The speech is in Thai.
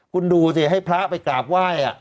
คุณดูสิให้พระไปกราบไหว้